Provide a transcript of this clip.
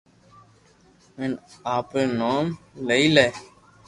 ھين آپري نوم لئي لي